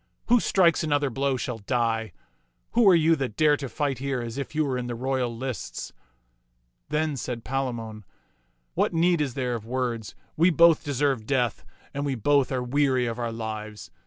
" Who strikes another blow shall die. Who are you that dare to fight here as if you were in the royal lists ?" Then said Palamon, "What need is there of words ? We both deserve death, and we both are weary of our lives.